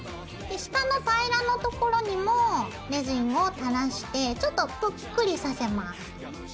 下の平らの所にもレジンを垂らしてちょっとぷっくりさせます。